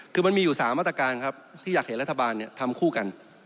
คือมันมีอยู่๓มาตรการครับที่อยากเห็นรัฐบาลทำคู่กัน